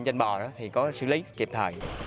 trên bò thì có xử lý kịp thời